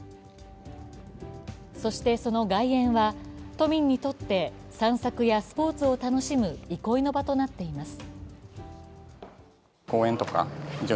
そして、その外苑は都民にとって散策やスポーツを楽しむ憩いの場となっています。